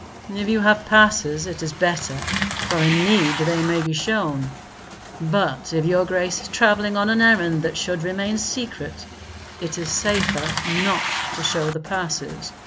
"If you have passes, it is better, for in need they may be shown; but if your grace is travelling on an errand that should remain secret, it is safer not to show the passes.